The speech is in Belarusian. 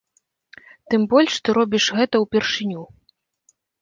Тым больш ты робіш гэта ўпершыню.